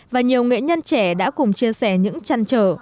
và nhiều nghệ nhân trẻ đã cùng chia sẻ những chăn trở